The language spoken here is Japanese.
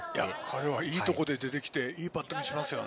彼はいいところで出てきていいバッティングをします。